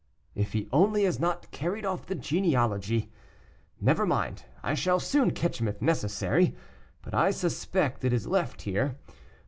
"If he only has not carried off the genealogy. Never mind, I shall soon catch him if necessary; but I suspect it is left here.